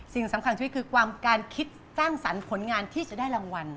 สิ่งสำคัญชีวิตคือความการคิดสร้างสรรค์ผลงานที่จะได้รางวัล